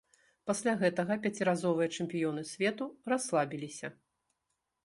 Пасля гэтага пяціразовыя чэмпіёны свету расслабіліся.